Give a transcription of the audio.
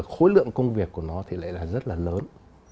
khối lượng công việc của nó thì lại là rất là lớn